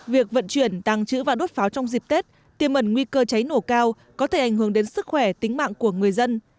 việc vận chuyển tăng trữ và đốt pháo trong dịp tết tiêm mẩn nguy cơ cháy nổ cao có thể ảnh hưởng đến sức khỏe tính mạng của người dân